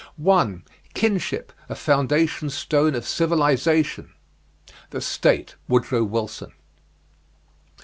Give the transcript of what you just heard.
1. KINSHIP, A FOUNDATION STONE OF CIVILIZATION. "The State," Woodrow Wilson.